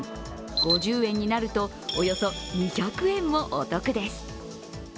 ５０円になると、およそ２００円もお得です。